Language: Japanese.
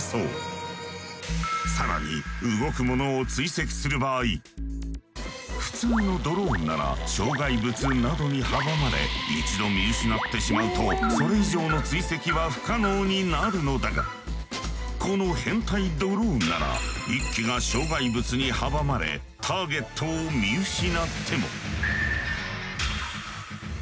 更に動くものを追跡する場合普通のドローンなら障害物などに阻まれ一度見失ってしまうとそれ以上の追跡は不可能になるのだがこの編隊ドローンなら１機が障害物に阻まれターゲットを見失っても。